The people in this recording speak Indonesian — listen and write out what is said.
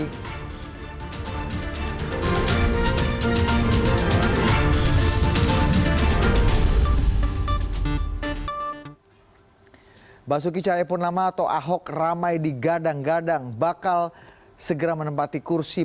hai basuki caya purnama atau ahok ramai di gadang gadang bakal segera menempati kursi